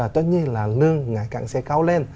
tất nhiên là lương ngày càng sẽ cao lên